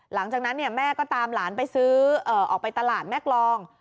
หลังจากนั้นแม่ก็ตามหลานไปซื้อออกไปตลาดแม่กรอง